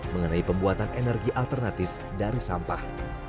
mengenai pembuatan energi alternatif dari sampah